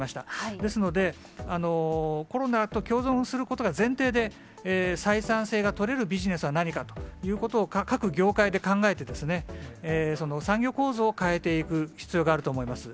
ですので、コロナと共存することが前提で、採算性が取れるビジネスは何かということを各業界で考えて、産業構造を変えていく必要があると思います。